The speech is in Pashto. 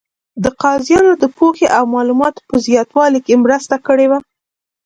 د قاضیانو د پوهې او معلوماتو په زیاتوالي کې مرسته کړې وه.